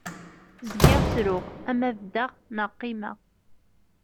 Zgiɣ ttruɣ, ama beddeɣ naɣ qimmeɣ.